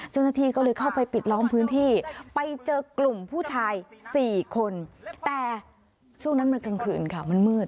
เจ้าหน้าที่ก็เลยเข้าไปปิดล้อมพื้นที่ไปเจอกลุ่มผู้ชาย๔คนแต่ช่วงนั้นมันกลางคืนค่ะมันมืด